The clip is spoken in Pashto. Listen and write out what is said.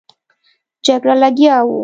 جګړه لګیا وو.